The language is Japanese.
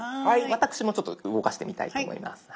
私もちょっと動かしてみたいと思います。